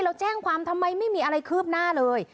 เราแจ้งความทำไมไม่มีอะไรคืบหน้าเลย